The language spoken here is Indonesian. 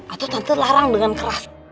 atau nanti larang dengan keras